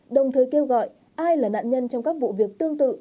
đồng thời kêu gọi ai là nạn nhân trong các vụ việc tương tự